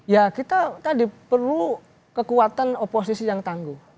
ya kita tadi perlu kekuatan oposisi yang tangguh